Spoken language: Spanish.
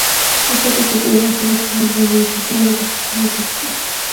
Está protegido en el fondo por una muralla bizantina de construcción muy posterior.